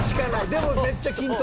でもめっちゃ均等。